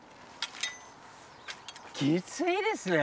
きついですね。